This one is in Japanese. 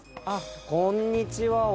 あっこんにちは